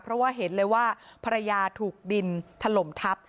เพราะว่าเห็นเลยว่าภรรยาถูกดินถล่มทับ